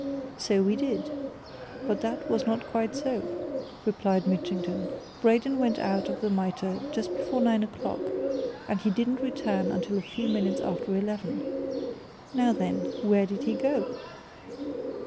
"So we did but that was not quite so," replied Mitchington. "Braden went out of the Mitre just before nine o'clock and he didn't return until a few minutes after eleven. Now, then, where did he go?"